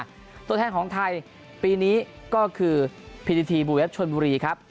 ตัวแทนของไทยปีนี้ก็คือพีทีบูเวฟชนบุรีครับ